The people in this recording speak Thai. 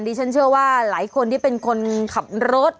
ฉันเชื่อว่าหลายคนที่เป็นคนขับรถ